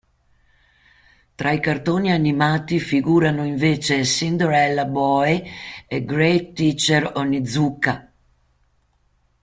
Tra i cartoni animati figurano invece "Cinderella Boy" e "Great Teacher Onizuka".